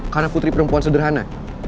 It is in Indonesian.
karena putri perempuan sederhana